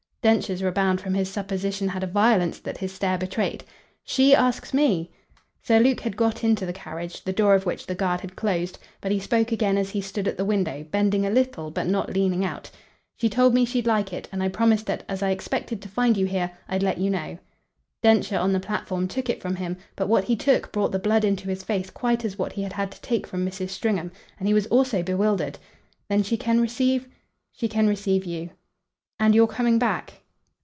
Densher's rebound from his supposition had a violence that his stare betrayed. "SHE asks me?" Sir Luke had got into the carriage, the door of which the guard had closed; but he spoke again as he stood at the window, bending a little but not leaning out. "She told me she'd like it, and I promised that, as I expected to find you here, I'd let you know." Densher, on the platform, took it from him, but what he took brought the blood into his face quite as what he had had to take from Mrs. Stringham. And he was also bewildered. "Then she can receive ?" "She can receive you." "And you're coming back